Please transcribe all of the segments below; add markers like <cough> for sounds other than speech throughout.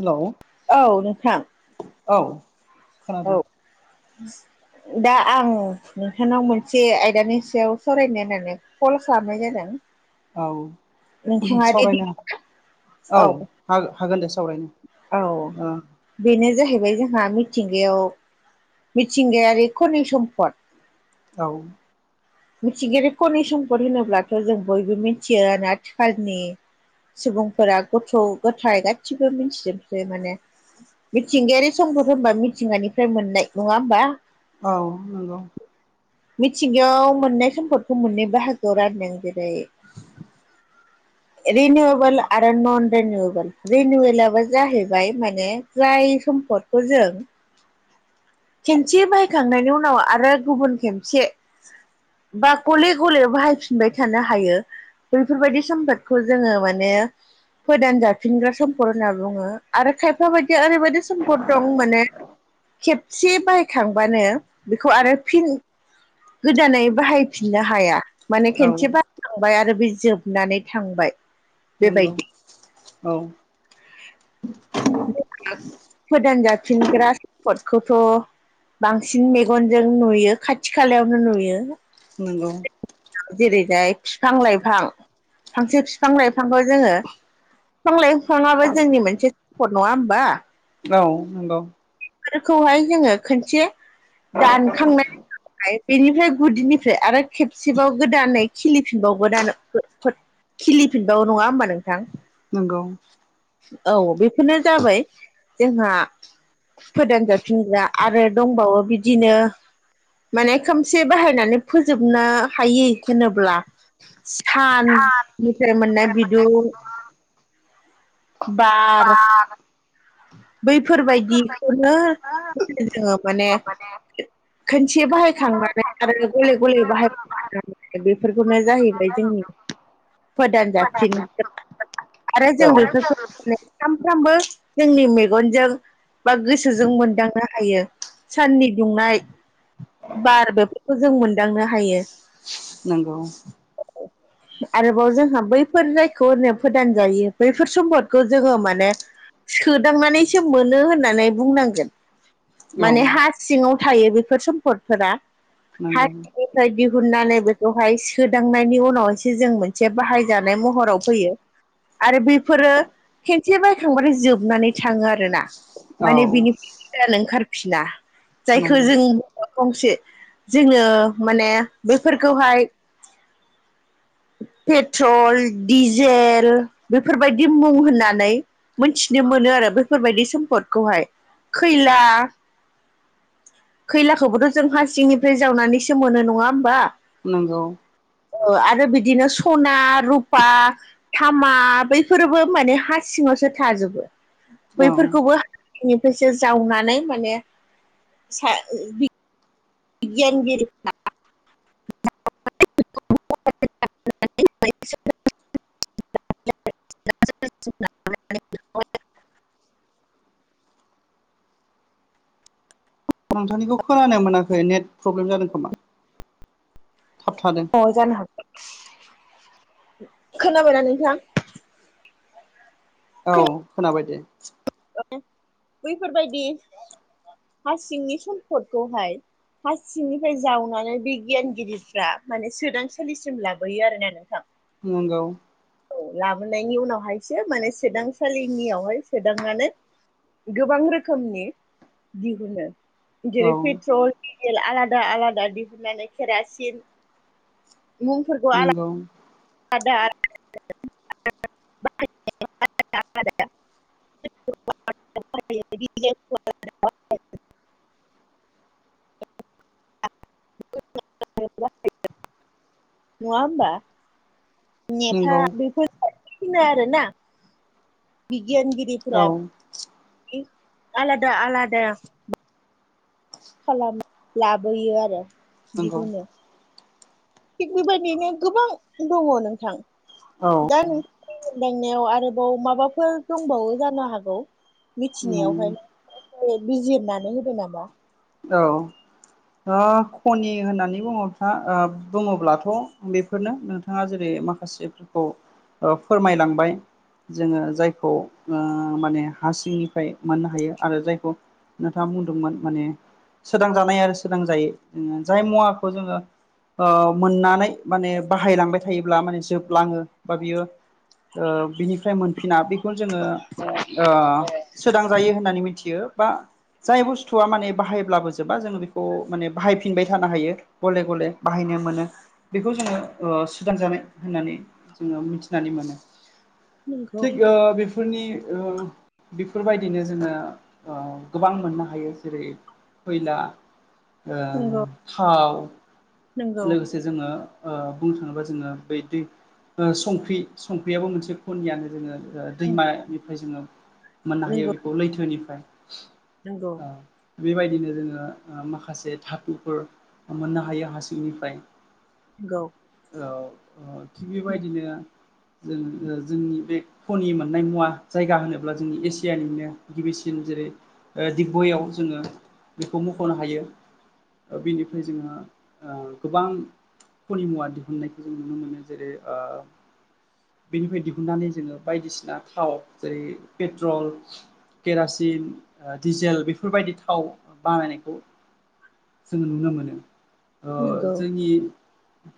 हेल' औ नोंथां औ औ खोनादों दा आं नोंथांनाव मोनसे आयदानि सायाव सावरायनो होननानै कल खालामनाय जादों। औ नोंथाङा रेडि सावरायनो औ। हा-हागोन दे औ सावरायनो ओ बेनो जाहैबाय जोंहा मिथिंगायाव मिथिंगायारि खनि सम्फद औ मिथिंगायारि खनि सम्पद होनोब्लाथ' जों बयबो मिथियो आथिखालनि सुबुंफोरा गथ' गथाइ गासिबो मिथिजोबसै माने मिथिंगायारि सम्पद होनबा मिथिंगानिफ्राय मोननाय नङा होमबा? औ नंगौ। मिथिंगायाव मोननाय सम्पदखौ मोननै बाहागोआव रानदों जेरै <inaudible> रिनिउवबोल आरो नन रिनिउवबोल रिनिवेलबो जाहैबाय माने जाय सम्फद खौ जों खेनसे बाहायखांनायनि उनाव आरो गुबुन खेनसे बा गले गले बाहायफिनबाय थानो हायो बेफोरबायदि सम्पदखौ जोङो माने फोदान जाफिनग्रा सम्पद होनना बुङो आरो खायफा बायदिया ओरैबायदि सम्पद दं माने खेबसे बाहायखांबानो बेखौ आरो फिन गोदानै बाहायफिननो हाया माने औ खेनसे बाहायखांबाय आरो बे जोबनानै थांबाय। नंगौ बेबायदि औ फोदांजाफिनग्रा सम्पदखौथ' बांसिन मेगनजों नुयो खाथि खालायावनो नुयो। नंगौ जेरैहाय फिफां-लाइफां फांसे फिफां लाइफांखौ जोङो फिफां-लाइफांआबो जोंनि मोनसे सम्पद नङा होमबा? औ नंगौ फोरखौहाय जोङो खोनसे दानखांनायनि बेनिफ्राय गुदिनिफ्राय आरो खेबसेबाव गोदानै खिलिफिनबावो दानो <unintelligible> खिलिफिनबावो नङा होमबा नोंथां? नोंगौ औ बेफोरनो जाबाय जोंहा फोदानजाफिनग्रा आरो दंबावो बिदिनो माने खोमसे बाहायनानै फोजोबनो हायै होनोब्ला साननिफ्राय मोननाय बिदुं बार बैफोरबायदिखौनो जोङो माने खोनसे बाहायखांनानै आरो गले-गले बाहाय बेफोरखौनो जाहैबाय जोंनि फोदान जाफिन आरो जों बेफोरखौ सानफ्रोमबो जोंनि मे मेगनजों बा गोसोजों मोनदांनो हायो साननि दुंनाय बार बेफोरखौ जों मोनदांनो हायो नंगौ औ आरोबाव जोंहा बैफोर जायखौ होनो फोदान जायि बैफोर सम्पदखौ जोङो माने सोदांनानैसो मोनो होननानै बुंनांगोन औ माने हाजो सिङाव थायो बेफोर सम्पदफोरा नंगौ फ्राय दिहुननानै बेखौहाय सोदांनायनि उनावसो जों मोनसे बाहायजानाय महराव फैयो आरो बेफोरो खेनसे बायखांबानो जोबनानै थाङो आरो आर ना औ माने बिनिफ्रायानो ओंखारफिना जायखौ नंगौ जों गंसे जोङो माने बेफोरखौहाय पेट्रल डिजेल बेफोरबायदि मुं होननानै मोनथिनो मोनो आरो बेफोरबायादि सम्पदखौहाय खैला खैलाखौबोथ' जों हा सिंनिफ्राय जावनानैसो मोनो नङा होमबा नंगौ ओ आरो बिदिनो सना रुफा थामा बैफोरबो माने हा सिङावसो थाजोबो औ बैफोरखौबो हानिफ्रायसो जावनानै माने सा <unintelligible> बिगियानगिरिफ्रा <unintelligible> <unintelligible> नोंथांनिखौ खोनानो मोनाखै नेट प्रब्लेम जादों खोमा थाब थादों अ जानो हागोन खोनाबायना नोंथां औ खोना खोनाबाय दे <unintelligible> बैफोरबायदि हासिंनि सम्फदखौहाय हारसिंनिफ्राय जावनानै बैगियानगिरिफ्रा माने सोदांसालिसिम लाबोयो आरोना नोंथां नंगौ औ लाबोनायनि उनावहायसो माने सोदांसालिनियावहाय सोदांनानै गोबां रोखोमनि दिहुनो औ जेरै पेट्रल डिजेल आलादा-आलादा दिहुननानै केरासिन मुंफोरखौ आला नंगौ दा <unintelligible> <unintelligible> <inaudible> <unintelligible> नङा होमबा नेथा नंगौ बेफोरखौनो बुङो आरोना औ बिगियानगिरिफोरा आलादा-आलादा खालाम लाबोयो आरो नंगौ बिदिनो थिग बेबायदिनो गोबां दङ नोंथां औ दा दांनायाव आरोबाव माबाफोर दंबावो जानो हागौ मिथिनायावहाय ए बिजिरनानै होदो नामा औ ओ खनि होननानै बुङोबा ओ बुङोब्लाथ' बेफोरनो बिथाङा जेरै माखासेफोरखौ ओ फोरमायलांबाय। जोङो जायखौ माने ओ हा सिंनिफ्राय मोननो हायो आरो जायखौ नोंथाङा बुंदोंमोन माने सोदांजानाय आरो सोदांजायि जाय मुवाखौ जोङो ओ मोननानै माने बाहायलांबाय थायोब्ला माने जोबलाङो बा बियो ओ बिनिफ्राय मोनफिना बेखौनो जोङो ओ सोदांजायो होननानै मिथियो बा जाय बुस्थुआ माने बाहायब्लाबो जोबा जोङो बेखौ माने बाहायफिनबाय थानो हायो गले गले बाहायनो मोनो। बेखौ जोङो ओ सुदांजानाय होननानै जोङो मिथिनानै मोनो। नंगौ थिग ओ बे बेफोरनि ओ बेफोरबायदिनो जोङो ओ गोबां मोननो हायो जेरै खैला ओ नंगौ थाव नंगौ लोगोसे जोङो ओ बुंनो थाङोबा जोङो बै दै ओ संख्रि संख्रियाबो मोनसे खनियानो जोङो दैमानिफ्राय जोङो मोननो हायो नंगौ बेखौ लैथोनिफ्राय। नंगौ ओ बेबायदिनो जोङो माखासे धाथुफोर मोननो हायो हा सिंनिफ्राय। गौ ओ थिग बेबायदिनो जों जोंनि बे खनि मोननाय मुवा जायगा होनोब्ला जोंनि एसियानिनो गिबिसिन जेरै दिगबययाव जोङो बेखौ मख'नो हायो बेनिफ्राय जोंहा ओ गोबां खनिमुवा दिहुननायखौ जों नुनो मोनो जेरै ओ बेनिफ्राय दिहुन्नानै जोङो बायदिसिना थाव जेरै पेट्रल केरासिन दिडिजेल बेफोरबायदि थाव बानायनायखौ जोङो नुनो मोनो। ओ नंगौ जोंनि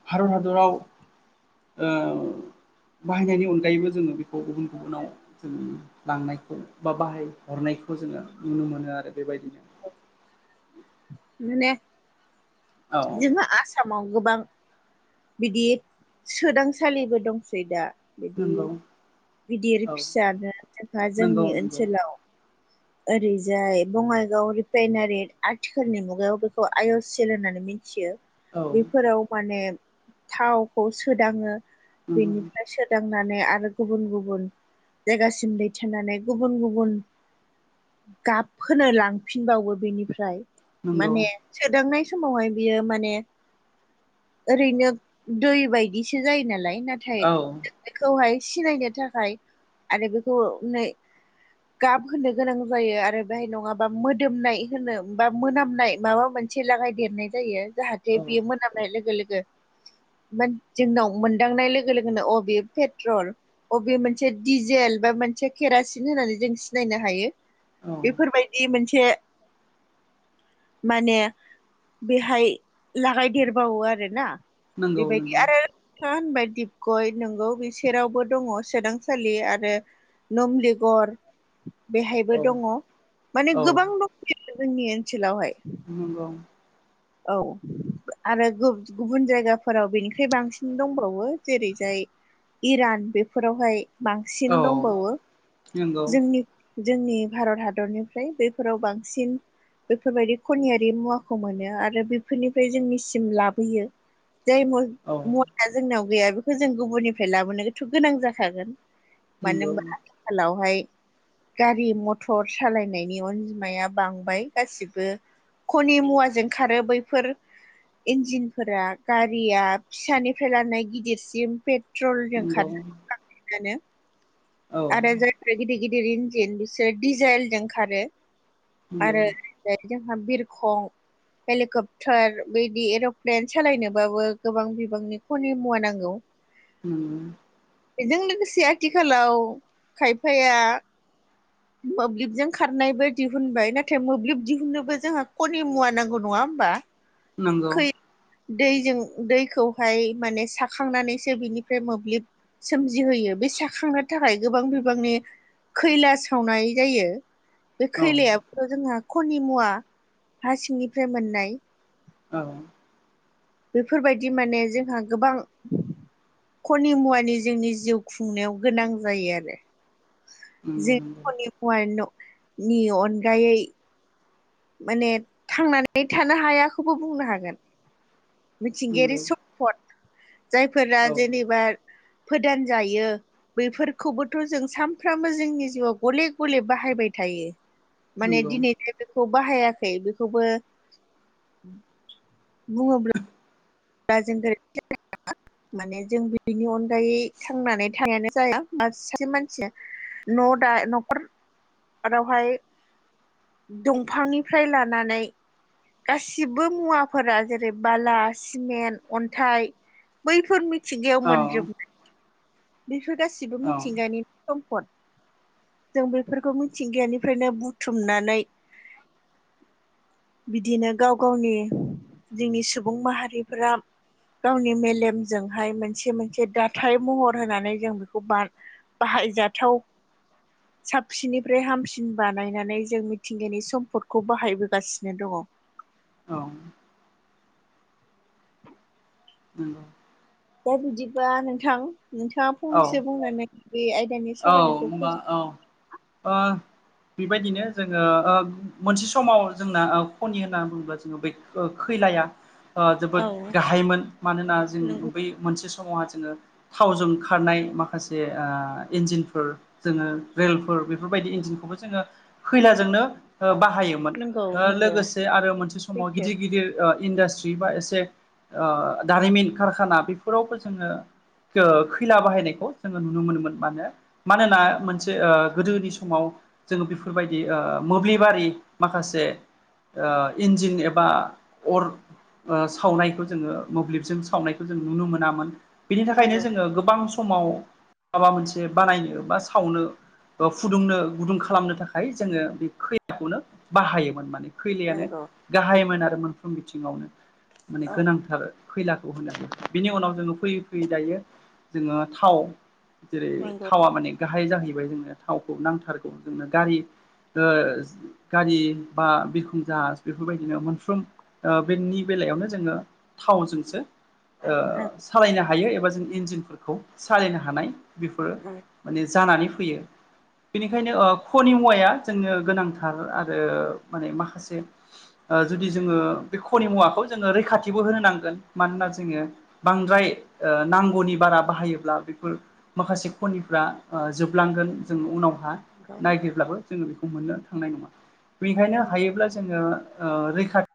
भारत हादराव ओ बाहायनायनि अनगायैबो जोङो बेखौ गुबुन गुबुनाव जों लांनायखौ बा बाहाय हरनायखौ जोङो नुनो मोनो आरो बेबायदि <unintelligible> औ जोंहा आसामाव गोबां बिदि सोदांसालिबो दंसै दा। बिदि नंगौ गिदिर औ फिसानो खायफा नंगौ जोंनि नंगौ ओनसोलाव ओरैजाय बङाइगाव रिफाइनारि आथिखालनि मुगायाव बेखौ आइ अ सि एल होननानै मिथियो। औ बेफोराव माने थावखौ सोदाङो नंगौ बेनिफ्राय सोद दांनानै आरो गुबुन गुबुन जायगासिम दैथायनानै गुबुन गुबुन गाब होनो लांफिनबावो बेनिफ्राय नंगौ माने सोदांनाय समावहाय बियो माने ओरैनो दै बायदिसो जायो नालाय नाथाय औ बेखौहाय सिनायनो थाखाय आरो बेखौ गाब होनो गोनां जायो आरो बेहाय नङाबा मोदोमनाय होनो बा मोनामनाय माबा मोनसे मोनसे लागाय देरनाय जायो जाहाथे औ बियो मोनामनाय लोगो लोगो मोन जोंनाव मोनदांनाय लोगो लोगोनो अ बेेयो पेट्रल अबे मोनसे डिजेल बा मोनसे केरासिन होननानै जों सिनायनो हायो। औ बेफोरबायदि मोनसे माने बेहाय लागायदेरबावो आरोना। नंगौ बेबायदि नंगौ आरो था होनबाय दिपगय नोंगौ बिसोरावबो दङ सोदांसालि आरो नुमलिगर बेहायबो औ दङ माने औ गोबां दंसोयो आरो जोंनि ओनसोलावहाय। नंगौ। औ। आरो गुबुन जायगाफोराव बेनिफ्राय बांसिन दंबावो जेरैजाय इरान बेफोरावहाय बांसिन औ दंबावो नंगौ जोंनि जोंनि भारत हादरनिफ्राय बेफोराव बांसिन बेफोरबायदि खनियारि मुवाखौ मोनो आरो बेफोरनिफ्राय जोंनिसिम लाबोयो। जाय औ मुवाया जोंनायाव गैया बेखौ जों गुबुननिफ्राय लाबोनोथ' गोनां जाखागोन। मानो नंगौ होमबा आथिखालावहाय गारि मथर सालायनायनि अनजिमाया बांबाय गासिबो खनि मुवाजों खारो बैफोर इन्जिन फोर गारिया फिसानिफ्राय लानाय गिदिरसिम पेट्रलजों खार नंगौ आरो औ जाय आरो गिदिर गिदिर इन्जिन बिसोरो दिडिजेलजों खारो नंगौ आरो जोंहा बिरखं हेलिकप्टार बिदि एर'प्लेन सालायनोबाबो गोबां बिबांनि खनि मुवा नांगौ <inaudible> उम। बेजों लोगोसे आथिखालाव खायफाया मोब्लिबजों खारनायबो दिहुनबाय नाथाय मोब्लिब दिहुननोबो जोंहा खनि मुवा नांगौ नङा होमबा? नंगौ खै दैजों दैखौहाय माने साखांनानैसो बिनिफ्राय मोब्लिब सोमजिहोयो बे साखांनो थाखाय गोबां बिबांनि खैला सावनाय जायो बे औ खैलाया जोंहा कनि मुवा हा सिंनिफ्राय मोननाय। औ। बेफोरबायदि माने जोंहा गोबां खनि मुवानि जोंनि जिउ खुंनायाव गोनां जायो आरो नंगौ जोंनि नंगौ खनि मुवा न नि अनगायै माने थांनानै थानो हायाखौबो बुंनो हागोन। मिथिंगायारि नंगौ सम फथ जायफोरा औ जेनेबा फोदान जायो। बैफोरखौबोथ' जों सानफ्रामबो जोंनि जिउआव गलेब गलेब बाहायबाय थायो। माने नंगौ दिनैथाय बेखौ बाहायाखै बेखौबो बुंङोब्ला जों गोरोन्थि जानायनङा माने जों बिनि अनगायै थांनानै थानायानो जाया। मासे मानसि न' दा न'खरावहाय दंफांनिफ्राय लानानै गासिबो मुवाफोरा जेरै बालास सिमेन्ट, अन्थाइ बैफोर मिथिंगायाव औ मोनजोबनाय बेफोर गासिबो औ मिथिंगानि सम्पद। जों बेफोरखौ मिथिंगायानिफ्रायनो बुथुमनानै बिदिनो गाव गावनि जोंनि सुबुं माहारिफोरा गावनि मेलेमजोंहाय मोनसे मोनसे दााथथाय महर होनानै जों बेखौ बान बाहायजाथाव साबसिननिफ्राय हामसिन बानायनानै जों मिथिंगानि सम्पदखौ बाहायबोगासिनो दङ औ। <inaudible> <inaudible> दा बिदिबा नोंथां नोंथाङा औ फंनैसो बुंनानै बे आयदानि सावरायनायखौ होमबा फोजोब औ ओ। बेबायदिनो जोङो मोनसे समाव जोंना खनि होनना बुङोब्ला जोङो बै खैलाया जोबोद औ गाहायमोन मानोना जों नंगौ बै मोनसे समावहा जोङो थावजों खारनाय माखासे इन्जिनफोर जोङो रेलफोर बेफोरबायदि इन्जिनखौबो जोङो खैलाजोंनो बाहायोमोन नंगौ नंगौ लोगोसे आरो मोनसे समाव सैथो गिदिर गिदिर इन्डास्ट्रि बा एसे ओ दारिमिन कारखाना बेफोरावबो जोङो खैला बाहायनायखौ जोङो नुनो मोनोमोन। मानो मानोना मोनसे गोदोनि समाव जोङो बेफोरबायदि मोब्लिबारि माखासे इन्जिन एबा अर ओ सावनायखौ जोङो मोब्लिबजों सावनायखौ जों नुनो मोनामोन बिनि थाखायनो नंगौ जोङो गोबां समाव माबा मोनसे बानायनो बा सावनो फुदुंनो गुदुं खालामनो थाखाय जोङो बे खैलाखौनो बाहायोमोन माने खैलायानो नंगौ गाहायमोन आरो मोनफ्रोम बिथिङावनो माने औ गोनांथार खैलाखौ होनोब्ला बिनि उनाव जोङो फैयै फैयै दायो जोङो थाव जेरै नंगौ थावा माने गाहाय जाहैबाय जोंनो थावखौ नांथारगौ जोंनो गारि गारि बा बिरखं जाहाज बेफोरबायदिनो मोनफ्रोम बेनि बेलायावनो जोङो थावजोंसो औ सालायनो हायो एबा जों इन्जिनफोरखौ सालायनो हानाय बेफोरो नंगौ माने जानानै फैयो बेनिखायनो खनि मुवाया जोंनो गोनांथार आरो माने माखासे जुदि जोङो बे खनि मुवाखौ जोङो रैखाथिबो होनो नांगोन मानोना जोङो बांद्राय नांगौनि बारा बाहायोब्ला बेफोर माखासे खनिफ्रा जोबलांगोन जों उनावहा नागिरब्लाबो जोङो बेखौ मोननो थांनाय नङा बेनिखायनो गाव हायोब्ला जोङो रैखाथि